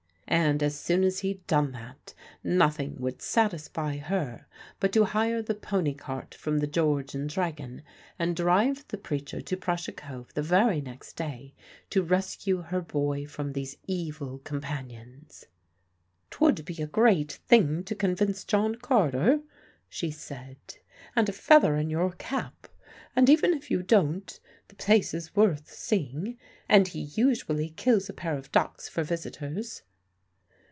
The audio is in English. And as soon as he'd done that, nothing would satisfy her but to hire the pony cart from the George and Dragon and drive the preacher to Prussia Cove the very next day to rescue her boy from these evil companions. "'Twould be a great thing to convince John Carter," she said, "and a feather in your cap. And even if you don't, the place is worth seeing, and he usually kills a pair of ducks for visitors."